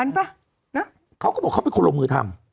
ป่ะนะเขาก็บอกเขาเป็นคนลงมือทำ